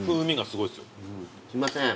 すいません。